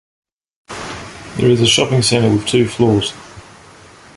There is a shopping center with two floors.